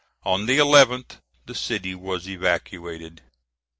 On the 11th the city was evacuated.